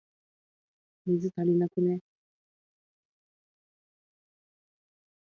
水、足りなくね？